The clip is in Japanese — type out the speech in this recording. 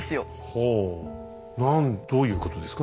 なにどういうことですか？